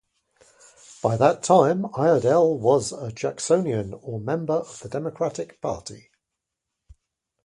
By that time, Iredell was a Jacksonian, or member of the Democratic Party.